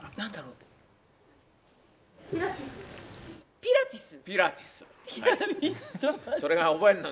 ピラティスだろ？